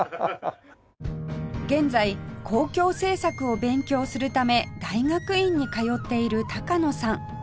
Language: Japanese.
現在公共政策を勉強するため大学院に通っている野さん